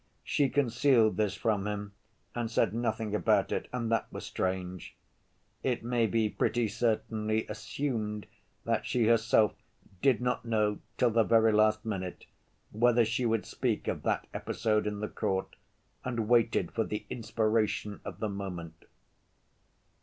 She concealed this from him and said nothing about it, and that was strange. It may be pretty certainly assumed that she herself did not know till the very last minute whether she would speak of that episode in the court, and waited for the inspiration of the moment.